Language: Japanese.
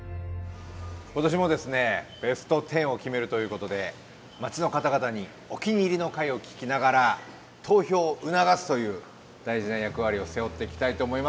今年もですねベスト１０を決めるということで町の方々にお気に入りの回を聞きながら投票を促すという大事な役割を背負っていきたいと思います。